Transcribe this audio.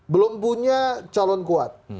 belum punya calon kuat